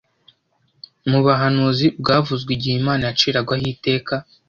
Mu buhanuzi bwavuzwe igihe Imana yaciragaho iteka